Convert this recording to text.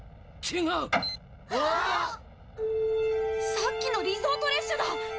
さっきのリゾート列車だ！